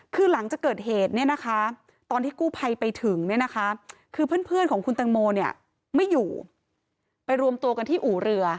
คือหลังจากเกิดเหตุเนี่ยนะคะตอนที่กู้ภัยไปถึงเนี่ยนะคะคือเพื่อนของคุณตังโมเนี่ยไม่อยู่ไปรวมตัวกันที่อู่เรือ